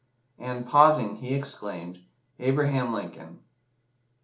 And, pausing, he exclaimed, "Abraham Lincoln."